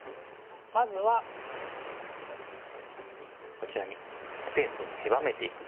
まずはこちらにスペースを狭めていく打ち方ですね。